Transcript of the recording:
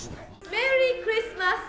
メリークリスマス！